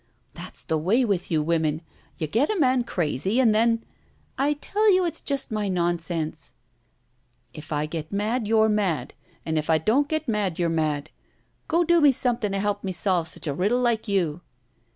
"That's the way with you women. You get a man crazy and then —" "I tell you it's just my nonsense." If I get mad you're mad, and if I don't get mad you're mad ! Go do me something to help me solve such a riddle like you."